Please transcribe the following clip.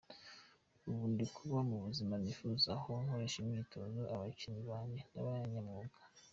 Ubu ndi kuba mu buzima nifuza aho nkoresha imyitozo abakinnyi banjye b’abanyamwuga.